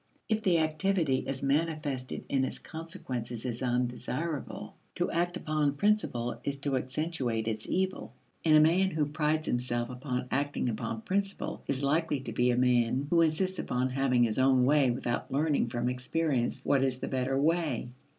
If the activity as manifested in its consequences is undesirable, to act upon principle is to accentuate its evil. And a man who prides himself upon acting upon principle is likely to be a man who insists upon having his own way without learning from experience what is the better way.